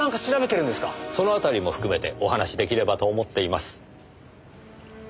その辺りも含めてお話し出来ればと思っています。